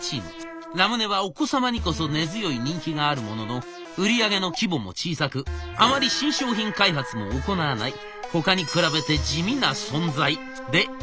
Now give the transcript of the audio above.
ラムネはお子様にこそ根強い人気があるものの売り上げの規模も小さくあまり新商品開発も行わない他に比べて地味な存在でございました。